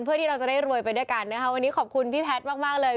เพื่อที่เราจะได้รวยไปด้วยกันนะคะวันนี้ขอบคุณพี่แพทย์มากเลย